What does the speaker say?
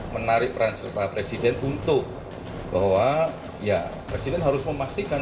menarik peran presiden untuk bahwa ya presiden harus memastikan